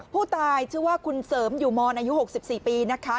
ผู้ตายชื่อว่าคุณเสริมอยู่มอนอายุ๖๔ปีนะคะ